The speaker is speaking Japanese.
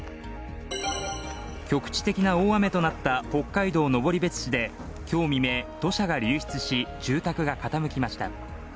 局地的な大雨となった北海道登別市で今日未明、土砂が流出し、住宅が傾きました。